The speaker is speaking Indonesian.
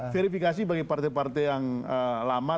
verifikasi bagi partai partai yang lama